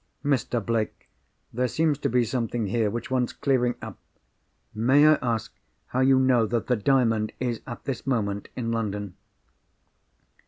"Mr. Blake! there seems to be something here which wants clearing up. May I ask how you know that the Diamond is, at this moment, in London?"